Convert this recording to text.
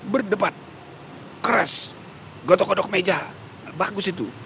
berdebat keras gotok godok meja bagus itu